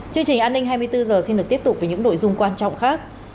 chương trình an ninh hai mươi bốn h xin được tiếp tục với những nội dung quan trọng khác